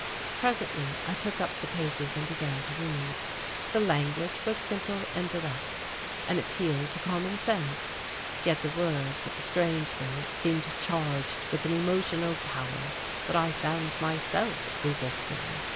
Presently I took up the pages and began to read. The language was simple and direct, an appeal to common sense, yet the words strangely seemed charged with an emotional power that I found myself resisting.